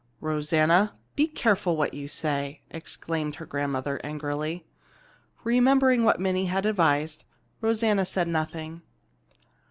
"Rosanna, be careful what you say!" exclaimed her grandmother angrily. Remembering what Minnie had advised, Rosanna said nothing.